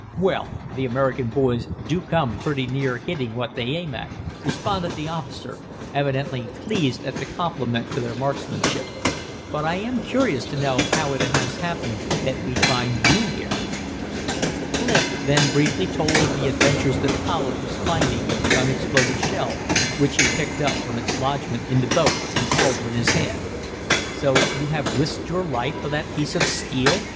"Well, the American boys do come pretty near hitting what they aim at," responded the officer, evidently pleased at the compliment to their marksmanship. "But I am curious to know how it has happened that we find you here." Clif then briefly told of the adventures that followed his finding of the unexploded shell, which he picked up from its lodgment in the boat and held in his hand. "So you have risked your life for that piece of steel!"